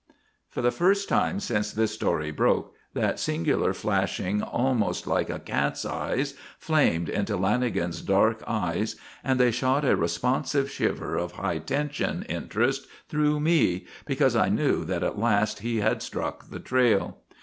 For the first time since this story broke, that singular flashing, almost like a cat's eyes, flamed into Lanagan's dark eyes and they shot a responsive shiver of high tension interest through me, because I knew that at last he had struck the trail.